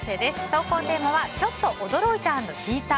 投稿テーマはちょっと驚いた＆引いた！